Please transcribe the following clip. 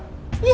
aneh banget yah